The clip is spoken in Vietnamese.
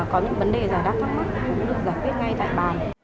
cũng được giải quyết ngay tại bàn